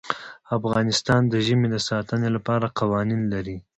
افغانستان د ژمی د ساتنې لپاره قوانین لري.